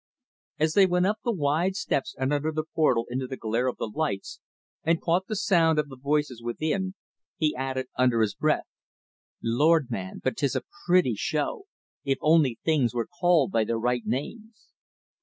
As they went up the wide steps and under the portal into the glare of the lights, and caught the sound of the voices within, he added under his breath, "Lord, man, but 'tis a pretty show! if only things were called by their right names.